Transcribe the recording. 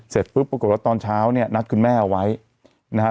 เสร็จปุ๊บปรากฏว่าตอนเช้าเนี่ยนัดคุณแม่เอาไว้นะฮะ